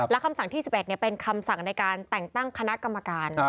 และคำสั่งที่๑๑เป็นคำสั่งในการแต่งตั้งคณะกรรมการ